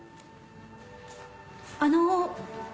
あの。